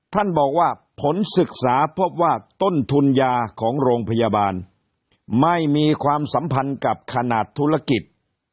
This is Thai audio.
ท่านบอกว่าผลศึกษาพบว่าต้นทุนยาของโรงพยาบาลไม่มีความสัมพันธ์กับขนาดธุรกิจ